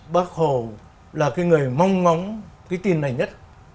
bác hồ là cái người mong ngóng cái tin này nhất